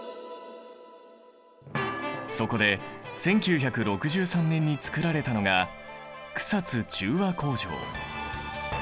そこで１９６３年に造られたのが草津中和工場。